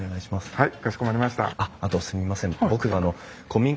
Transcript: はい。